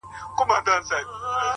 • د خپل عقل په کمال وو نازېدلی ,